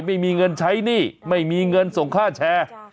ไม่มีเงินใช้หนี้ไม่มีเงินส่งค่าแชร์